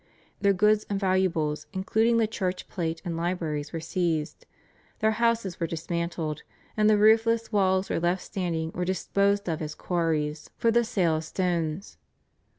Their goods and valuables including the church plate and libraries were seized. Their houses were dismantled, and the roofless walls were left standing or disposed of as quarries for the sale of stones.